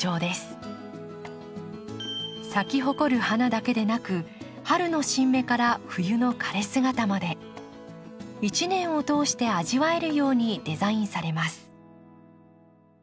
咲き誇る花だけでなく春の新芽から冬の枯れ姿まで一年を通して味わえるようにデザインされます。